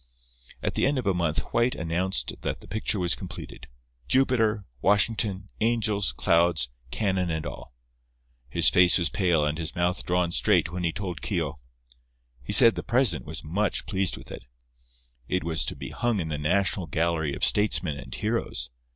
At the end of a month White announced that the picture was completed—Jupiter, Washington, angels, clouds, cannon and all. His face was pale and his mouth drawn straight when he told Keogh. He said the president was much pleased with it. It was to be hung in the National Gallery of Statesmen and Heroes.